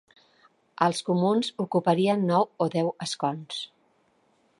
Els comuns ocuparien nou o deu escons.